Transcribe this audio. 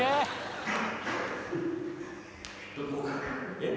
えっ？